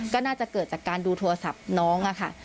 ก็น่าจะเกิดจากการดูโทรศัพท์น้องค่ะ